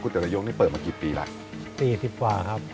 กูเตี๋ยวแต่ยกนี่เปิดมากี่ปีแล้วล่ะปี๔๐กว่าครับ